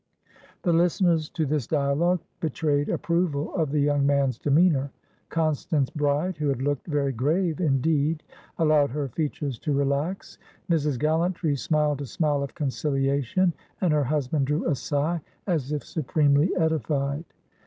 The listeners to this dialogue betrayed approval of the young man's demeanour. Constance Bride, who had looked very grave indeed, allowed her features to relax; Mrs. Gallantry smiled a smile of conciliation, and her husband drew a sigh as if supremely edified.